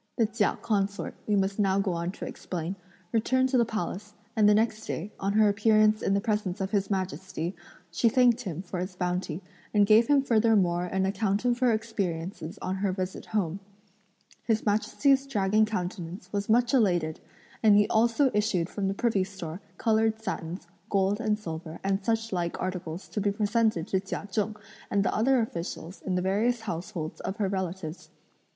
The Chia consort, we must now go on to explain, returned to the Palace, and the next day, on her appearance in the presence of His Majesty, she thanked him for his bounty and gave him furthermore an account of her experiences on her visit home. His Majesty's dragon countenance was much elated, and he also issued from the privy store coloured satins, gold and silver and such like articles to be presented to Chia Cheng and the other officials in the various households of her relatives.